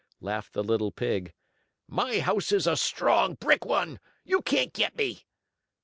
laughed the little pig. "My house is a strong, brick one. You can't get me!"